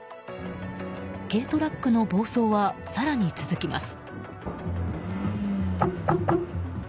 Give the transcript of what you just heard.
軽トラックの暴走は更に続きます。